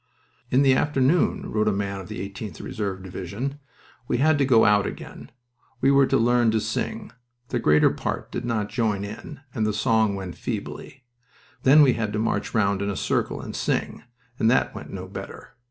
"In the afternoon," wrote a man of the 18th Reserve Division, "we had to go out again; we were to learn to sing. The greater part did not join in, and the song went feebly. Then we had to march round in a circle and sing, and that went no better.